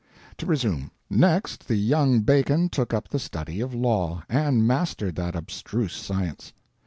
To resume. Next, the young Bacon took up the study of law, and mastered that abstruse science.